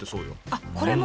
あっこれも？